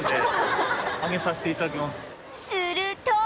すると